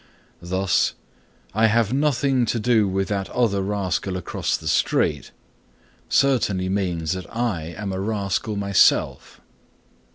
Thus, "I have nothing to do with that other rascal across the street," certainly means that I am a rascal myself.